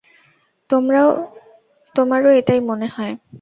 তোমারও এটাই মনে হয়?